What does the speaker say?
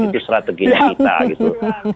itu strateginya kita gitu